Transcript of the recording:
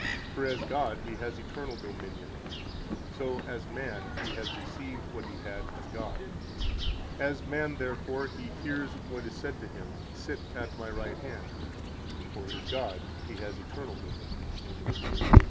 For as God He has eternal dominion, so as man He has received what He had as God. As man, therefore, He hears [what is said to Him], 'Sit at My right hand.' For as God He has eternal dominion."